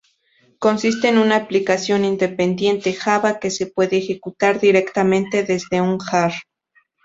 Consiste en una aplicación independiente Java, que se puede ejecutar directamente desde un jar.